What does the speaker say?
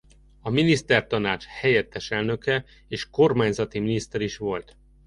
A Minisztertanács helyettes elnöke és kormányzati miniszter is volt.